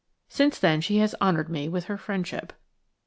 Since then she has honoured me with her friendship.